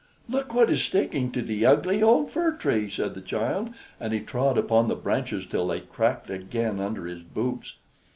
"Look what is sticking to the ugly old fir tree!" said the child, and he trod upon the branches till they cracked again under his boots.